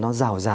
tôi muốn điều đó